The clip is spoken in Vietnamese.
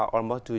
họ rất tốt